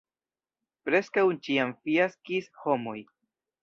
Preskaŭ ĉiam fiaskis homoj.